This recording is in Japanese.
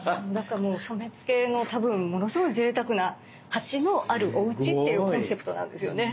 染付の多分ものすごいぜいたくな鉢のあるおうちっていうコンセプトなんですよね。